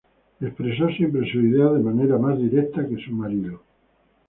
Expresó siempre sus ideas de manera más directa que su marido.